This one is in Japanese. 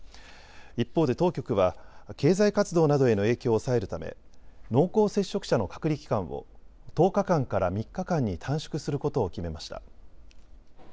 一方で当局は経済活動などへの影響を抑えるため濃厚接触者の隔離期間を１０日間から３日間に短縮することを決めました。